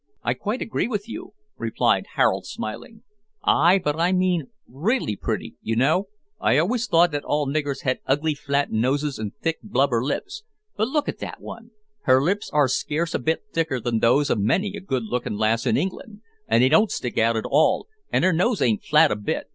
"I quite agree with you," replied Harold, smiling. "Ay, but I mean really pretty, you know. I've always thought that all niggers had ugly flat noses an' thick blubber lips. But look at that one: her lips are scarce a bit thicker than those of many a good looking lass in England, and they don't stick out at all, and her nose ain't flat a bit.